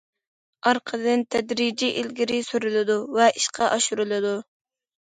ئارقىدىن تەدرىجىي ئىلگىرى سۈرۈلىدۇ ۋە ئىشقا ئاشۇرۇلىدۇ.